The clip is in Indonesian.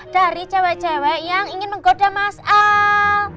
dari cewek cewek yang ingin menggoda mas'al